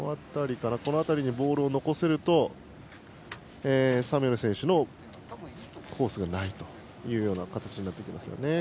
かつ、この辺りにボールを残せるとサムエル選手のコースがないという形になってきますね。